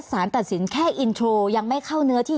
สารตัดสินแค่อินโทรยังไม่เข้าเนื้อที่